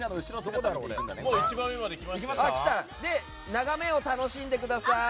眺めを楽しんでください。